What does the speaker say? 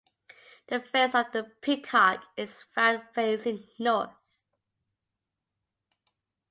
The face of the peacock is found facing north.